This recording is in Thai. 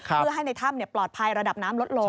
เพื่อให้ในถ้ำปลอดภัยระดับน้ำลดลง